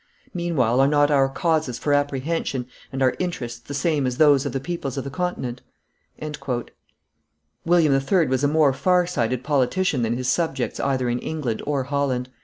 Meanwhile, are not our causes for apprehension and our interests the same as those of the peoples of the continent?" William III. was a more far sighted politician than his subjects either in England or Holland.